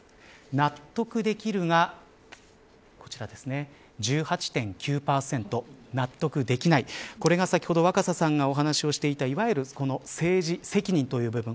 納得できるが１８．９％。納得できない、これが先ほど若狭さんがお話していたいわゆる政治責任という部分。